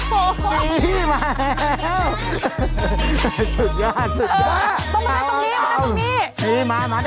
สุดยอด